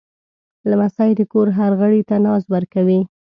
لمسی د کور هر غړي ته ناز ورکوي.